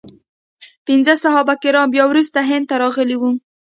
پنځه صحابه کرام بیا وروسته هند ته راغلي وو.